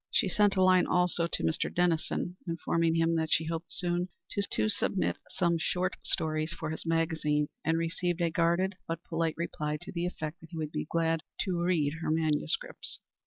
She sent a line also to Mr. Dennison, informing him that she hoped soon to submit some short stories for his magazine, and received a guarded but polite reply to the effect that he would be glad to read her manuscripts.